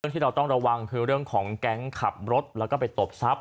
ที่เราต้องระวังคือเรื่องของแก๊งขับรถแล้วก็ไปตบทรัพย